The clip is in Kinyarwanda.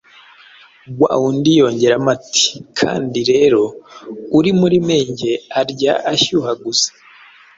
wa wundi yungamo ati: “Kandi rero uri muri Menge arya ashyuhaguza!